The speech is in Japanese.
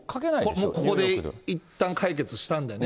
もうここでいったん解決したんでね。